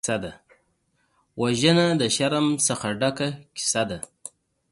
وژنه د شرم نه ډکه کیسه ده